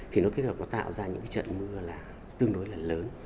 thì nó kết hợp nó tạo ra những cái trận mưa là tương đối là lớn